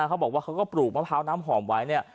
เขาบอกว่าเขาก็ปลูกมะพร้าวน้ำหอมไว้เนี่ย